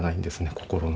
心の。